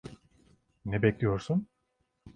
Ne bekliyorsun?